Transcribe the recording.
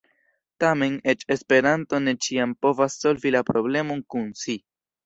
Tamen, eĉ Esperanto ne ĉiam povas solvi la problemon kun "si".